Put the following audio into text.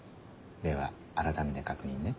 ではあらためて確認ね。